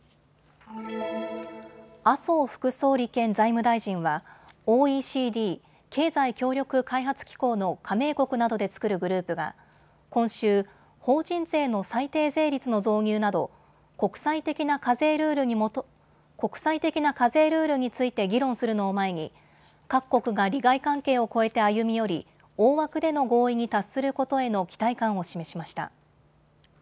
麻生副総理兼財務大臣はＯＥＣＤ・経済協力開発機構の加盟国などで作るグループが今週、法人税の最低税率の導入など国際的な課税ルールについて議論するのを前に各国が利害関係を超えて歩み寄り大枠での合意に達することへの期待感を示しました。